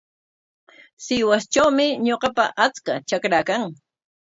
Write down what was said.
Sihuastrawmi ñuqapa achka trakaa kan.